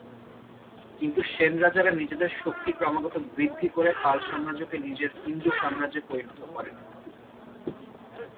কিন্তু সেন রাজারা নিজেদের শক্তি ক্রমাগত বৃদ্ধি করে পাল সাম্রাজ্যকে নিজের হিন্দু সাম্রাজ্যে পরিণত করেন।